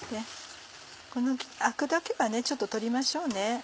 このアクだけはちょっと取りましょうね。